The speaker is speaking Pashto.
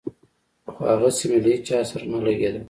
خو هغسې مې له هېچا سره نه لګېده.